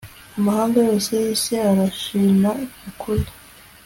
amahanga yose y'isi, arashima kuri